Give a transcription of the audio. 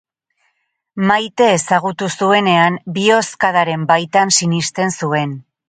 Maite ezagutu zuenean bihozkadaren baitan sinisten zuen.